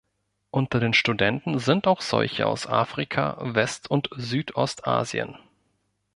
Unter den Studenten sind auch solche aus Afrika, West- und Südostasien.